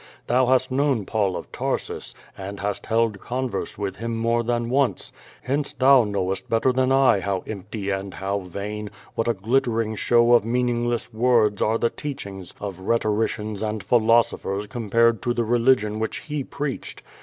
Thou hast known Paul of Tarsus, and hast held converse with him more than once; hence thou knowest better than I how empty and how vain, what a glit tering show of meaningless words are the teachings of rhe toricians and philosophers compared to the religion ivhicli ho preached.